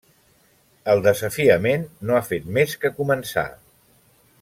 El desafiament no ha fet més que començar.